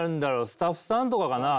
スタッフさんとかかな？